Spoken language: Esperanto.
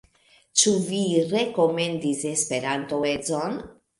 Ĉu vi rekomendis Esperanto-edzon?